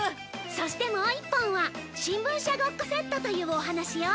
そしてもう一本は「新聞社ごっこセット」というお話よ